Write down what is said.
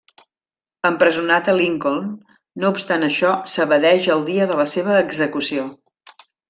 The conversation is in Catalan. Empresonat a Lincoln, no obstant això s'evadeix el dia de la seva execució.